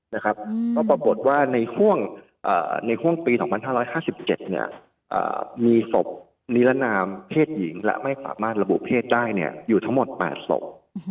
ก็ปรากฏว่าในห่วงปี๒๕๕๗มีศพนิรนามเพศหญิงและไม่สามารถระบุเพศได้อยู่ทั้งหมด๘ศพ